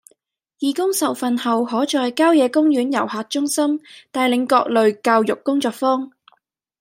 義工受訓後可在郊野公園遊客中心帶領各類教育工作坊